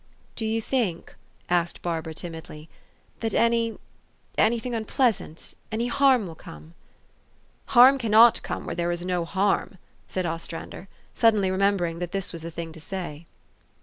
4 'Do you think," asked Barbara timidly, " that any any thing unpleasant any harm will come ?"" Harm cannot come where there is no harm," said Ostrander, suddenly remembering that this was the thing to say.